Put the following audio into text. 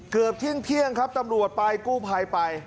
เกือบเที่ยงครับตำรวจไปกู้ภัยไป